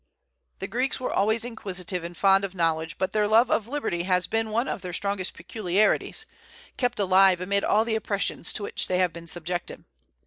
The Greeks were always inquisitive and fond of knowledge, but their love of liberty has been one of their strongest peculiarities, kept alive amid all the oppressions to which they have been subjected.